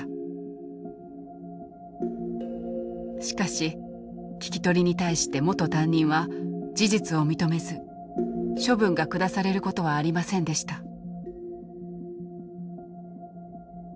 しかし聞き取りに対して元担任は事実を認めず処分が下されることはありませんでした。